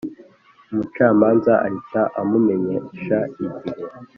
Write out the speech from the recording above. Umucamanza ahita amumenyesha igihe